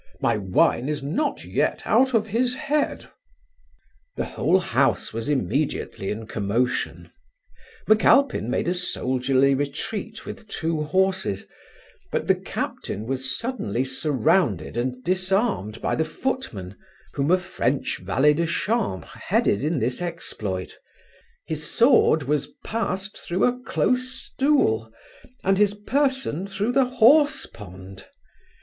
My wine is not yet out of his head.' The whole house was immediately in commotion. Macalpine made a soldierly retreat with two horses; but the captain was suddenly surrounded and disarmed by the footmen, whom a French valet de chambre headed in this exploit; his sword was passed through a close stool, and his person through the horse pond.